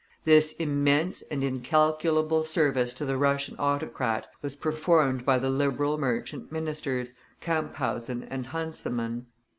This immense and incalculable service to the Russian autocrat was performed by the Liberal merchant ministers, Camphausen and Hansemann.